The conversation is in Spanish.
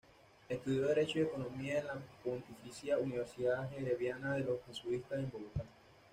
Estudió Derecho y Economía en la Pontificia Universidad Javeriana de los Jesuitas en Bogotá.